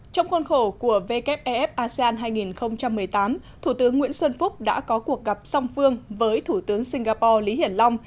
trong khuôn khổ của wef asean hai nghìn một mươi tám thủ tướng nguyễn xuân phúc đã có cuộc gặp song phương với thủ tướng singapore lý hiển long